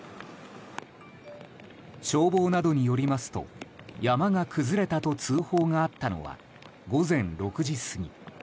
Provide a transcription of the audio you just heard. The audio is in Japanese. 消防などによりますと山が崩れたと通報があったのは午前６時過ぎ。